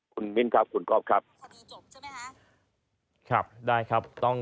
คุณมิ้นท์ครับคุณครอบครับจะไหมฮะครับได้ครับต้อง